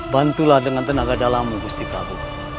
bantulah dengan tenaga dalam gusti prabowo